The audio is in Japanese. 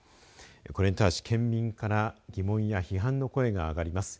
これに対し、県民から疑問や批判の声が上がります。